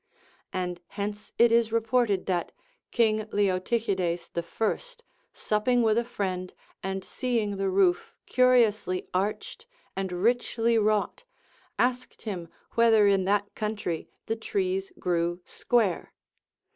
And hence it is reported that King Leotychides the First, supping with a friend and seeing the roof curiously arched and richly wrought, asked him whether in that country the trees grew square.